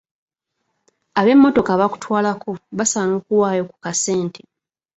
Ab'emmotoka abakutwalako basaana okuwaayo ku kasente.